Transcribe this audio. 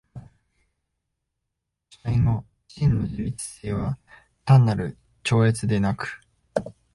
主体の真の自律性は単なる超越でなく、